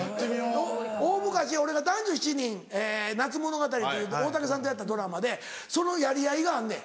大昔俺が『男女７人夏物語』という大竹さんとやったドラマでそのやり合いがあんねん。